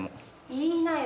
言いなよ。